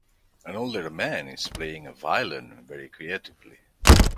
An older man is playing a violin very creatively.